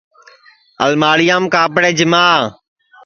الماڑیام کاپڑے جیما